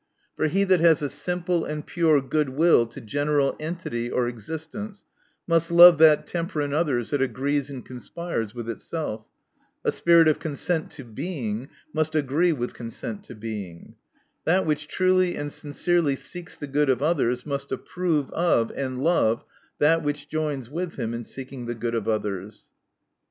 For he that has a simple and pure good will to general entity or existence, must love that temper in others, that agrees and conspires with itself. A spirit of consent to Being must agree with consent to Being. That which truly and sincerely seeks the good of others, must approve of, and love, that which joins with him in seeking the good of others.